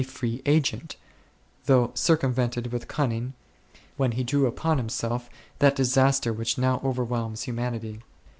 free agent, though circumvented with cunning, when he drew upon himself that disaster which now overwhelms humanity.